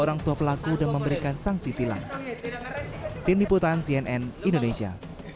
orang tua pelaku dan memberikan sanksi tilang tim liputan cnn indonesia